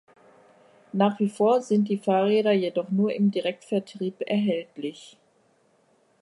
Nach wie vor sind die Fahrräder jedoch nur im Direktvertrieb erhältlich.